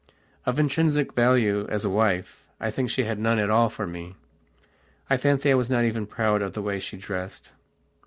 Of intrinsic value as a wife, I think she had none at all for me. I fancy I was not even proud of the way she dressed.